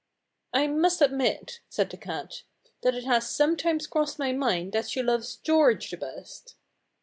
"I must admit," said the cat, "that it has sometimes crossed my mind that she loves George the best."